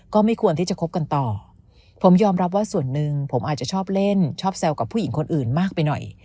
ก็ไม่ควรที่จะคบกันต่อผมยอมรับว่าส่วนหนึ่งผมอาจจะชอบเล่นชอบแซวกับผู้หญิงคนอื่นมากไปหน่อย